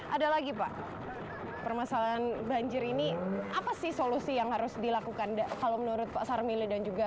ada lagi pak permasalahan banjir ini apa sih solusi yang harus dilakukan kalau menurut pak sarmili dan juga